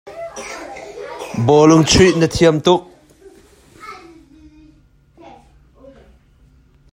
Bawlung chuih na thiam tuk.